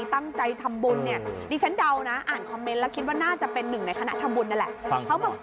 ตั้งใจทำบุญเนี่ยดิฉันเดานะอ่านคอมเมนต์แล้วคิดว่าน่าจะเป็นหนึ่งในคณะทำบุญนั่นแหละ